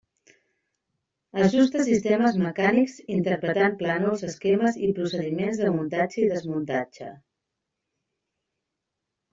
Ajusta sistemes mecànics, interpretant plànols, esquemes i procediments de muntatge i desmuntatge.